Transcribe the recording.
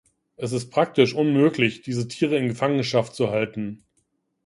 Es ist praktisch unmöglich, diese Tiere in Gefangenschaft zu halten.